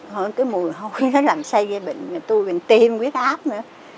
hồi cái mùi hôi nó làm xây ra bệnh người tôi bệnh tim quyết áp nữa